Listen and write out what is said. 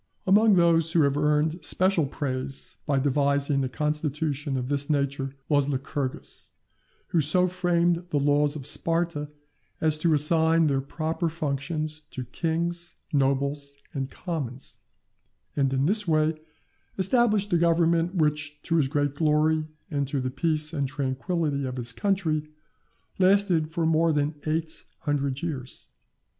Among those who have earned special praise by devising a constitution of this nature, was Lycurgus, who so framed the laws of Sparta as to assign their proper functions to kings, nobles, and commons; and in this way established a government, which, to his great glory and to the peace and tranquility of his country, lasted for more than eight hundred years.